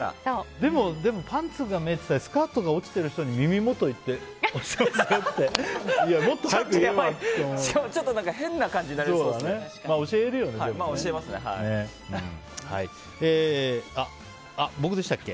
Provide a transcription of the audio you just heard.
でもパンツが見えてたりスカートが落ちてる人に耳元行って落ちてますよってしかも、ちょっと変な感じになりそうですね。